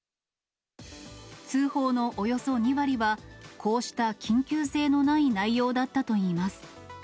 通報のおよそ２割は、こうした緊急性のない内容だったといいます。